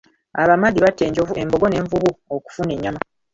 Abamadi batta enjovu, embogo n'envubu okufuna ennyama.